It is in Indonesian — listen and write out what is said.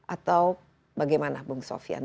atau bagaimana bung sofyan